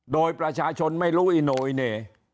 โดยประชาชนไม่รู้อีโนอิเน่